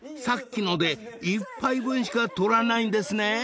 さっきので１杯分しか取らないんですね］